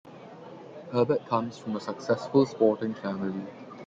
Herbert comes from a successful sporting family.